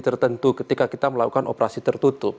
tertentu ketika kita melakukan operasi tertutup